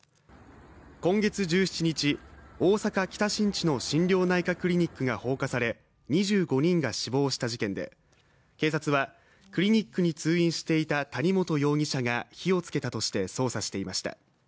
今月１７日、大阪・北新地の心療内科クリニックが放火され、２５人が死亡した事件で、警察はクリニックに通院していた谷本容疑者が火をつけたとして捜査していました。